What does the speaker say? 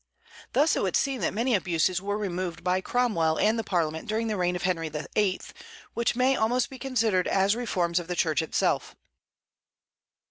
Thus it would seem that many abuses were removed by Cromwell and the Parliament during the reign of Henry VIII. which may almost be considered as reforms of the Church itself.